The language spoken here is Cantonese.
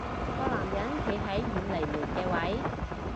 個男人企喺遠離門嘅位